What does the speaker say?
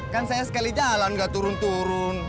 kan saya sekali jalan gak turun turun